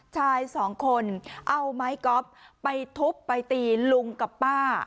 ชายสองคนเอาไม้ก๊อฟไปทุบไปตีลุงกับป้า